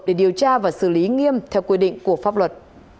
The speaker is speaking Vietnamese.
để điều tra và xử lý nghiêm theo quy định của pháp luật